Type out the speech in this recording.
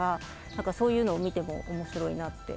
なんかそういうのを見てもおもしろいなって。